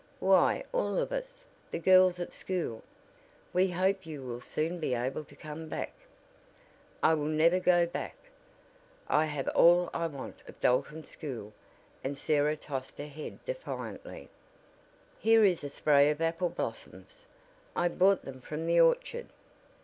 "Why all of us; the girls at school. We hope you will soon be able to come back." "I will never go back. I have had all I want of Dalton School," and Sarah tossed her head defiantly. "Here is a spray of apple blossoms. I brought them from the orchard.